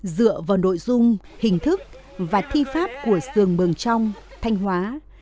dựa vào nội dung hình thức và thi pháp của sườn mường trong thanh hóa